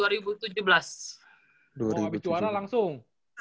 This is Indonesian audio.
oh abis juara langsung